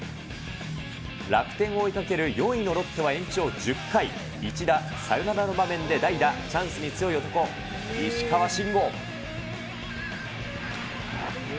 楽天を追いかける４位のロッテは延長１０回、一打サヨナラの場面で、代打、チャンスに強い男、石川慎吾。